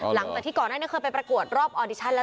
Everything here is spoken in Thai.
หลังจากที่ก่อนหน้านี้เคยไปประกวดรอบออดิชั่นแล้ว